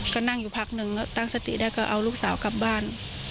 ก็นั่งอยู่พักนึงตั้งสติได้ก็เอาลูกสาวกลับบ้าน